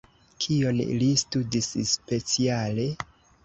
Kion li studis speciale?